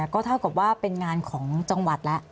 ก็เท่ากับว่าเป็นงานของจังหวัดแล้ว